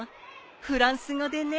フランス語でね。